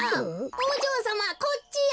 おじょうさまはこっちよ！